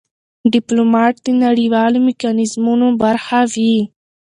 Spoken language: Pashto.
ډيپلومات د نړېوالو میکانیزمونو برخه وي.